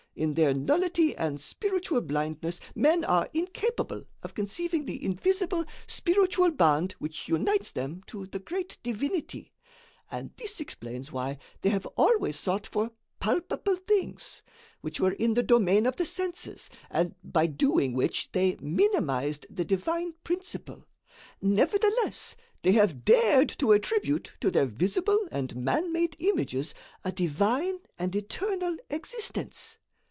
In their nullity and spiritual blindness, men are incapable of conceiving the invisible spiritual bond which unites them to the great Divinity, and this explains why they have always sought for palpable things, which were in the domain of the senses, and by doing which they minimized the divine principle. Nevertheless, they have dared to attribute to their visible and man made images a divine and eternal existence.